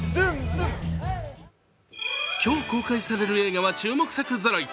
今日公開される映画は注目ぞろい。